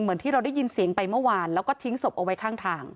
เหมือนที่เราได้ยินเสียงไปเมื่อวานแล้วก็ทิ้งศพเอาไว้ข้างทาง